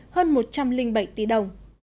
hơn một trăm linh bảy tỷ đồng